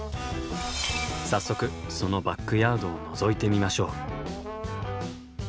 早速そのバックヤードをのぞいてみましょう。